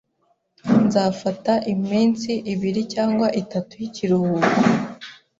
Nzafata iminsi ibiri cyangwa itatu y'ikiruhuko.